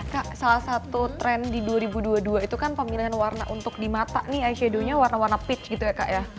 kak salah satu tren di dua ribu dua puluh dua itu kan pemilihan warna untuk di mata nih ey shadow nya warna warna peach gitu ya kak ya